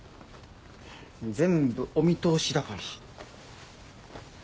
全部お見通しだから。